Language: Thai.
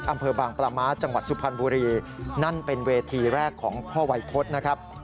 อำเภอบางปลาม้าจังหวัดสุพรรณบุรีนั่นเป็นเวทีแรกของพ่อวัยพฤษนะครับ